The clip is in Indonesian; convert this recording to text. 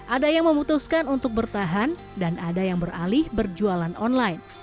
ada yang memutuskan untuk bertahan dan ada yang beralih berjualan online